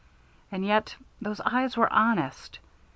And yet, those eyes were honest.